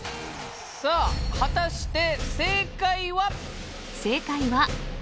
さあ果たして正解は？